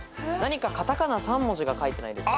片仮名３文字が書いてないですか？